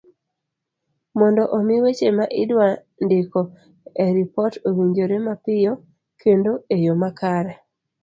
mondo omi weche ma idwa ndiko e ripot owinjore mapiyo kendo e yo makare